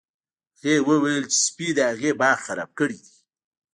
هغې وویل چې سپي د هغې باغ خراب کړی دی